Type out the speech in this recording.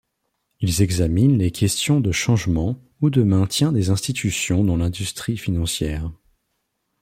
Ils examinent les questions de changement ou de maintien des institutions dans l’industrie financière.